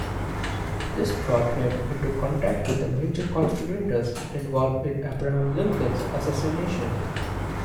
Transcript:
This brought him into contact with the major conspirators involved in Abraham Lincoln's assassination.